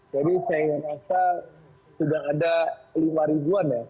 jadi saya rasa sudah ada lima ribuan ya supporter kita